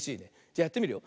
じゃやってみるよ。